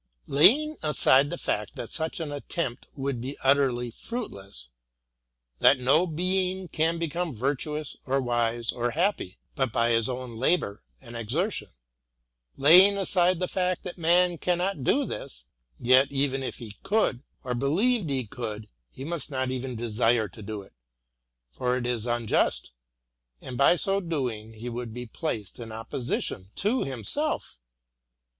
Laying aside the fact that such an at tempt would be utterly fruitless, — that no being can become virtuous, or wise, or happy, but by his own labour and exer tion; — laying aside the fact that man cannot do this, — yet even if he could, or believed he could, he must not even desire to do it; for it is unjust, and by so doing he would be placed in opposition to himself.